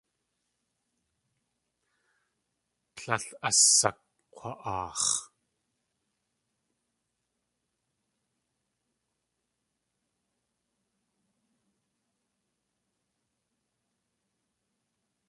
Tlél asakg̲wa.aax̲.